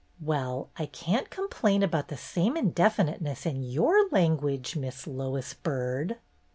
"Well, I can't complain about the same in definiteness in your language, Miss Lois Byrd!"